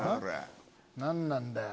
何なんだよ？